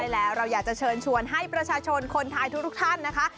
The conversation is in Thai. แล้วเราอยากจะเชิญชวนให้ประชาชนคนไทยทุกท่านนะคะ